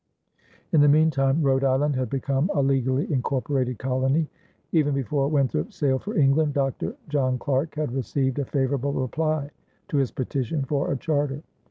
In the meantime Rhode Island had become a legally incorporated colony. Even before Winthrop sailed for England, Dr. John Clarke had received a favorable reply to his petition for a charter.